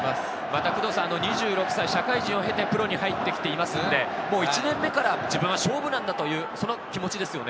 また、２６歳、社会人を経てプロに入ってきているので、１年目から自分は勝負なんだというその気持ちですよね。